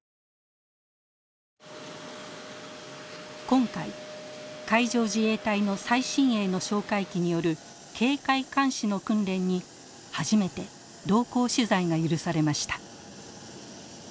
今回海上自衛隊の最新鋭の哨戒機による警戒監視の訓練に初めて同行取材が許されました。